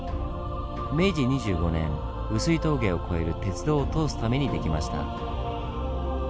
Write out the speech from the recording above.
明治２５年碓氷峠を越える鉄道を通すために出来ました。